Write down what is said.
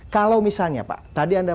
kalau misalnya pak tadi anda